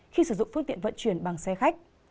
khi sử dụng phương tiện vận chuyển bằng xe khách